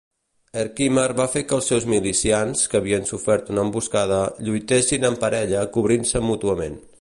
Herkimer va fer que els seus milicians, que havien sofert una emboscada, lluitessin en parella cobrint-se mútuament.